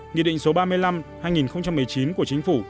nghị định số ba mươi năm hai nghìn một mươi chín của chính phủ